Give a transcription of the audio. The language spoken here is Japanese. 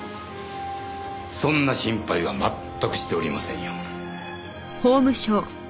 そんな心配は全くしておりませんよ。